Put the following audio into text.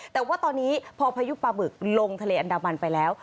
แต่ว่าตอนนี้พอพายุปลาบึกลงทะเลอันดามันไปแล้ว